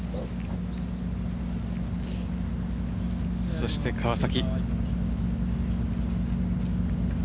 そして、川崎。